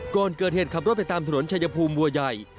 ก่อนเกิดเหตุขับรถไปตามถนนชายภูมิบัวใหญ่